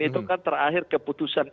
itu kan terakhir keputusan